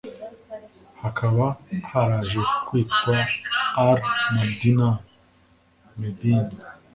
hakaba haraje kwitwa al-madīnah (medina),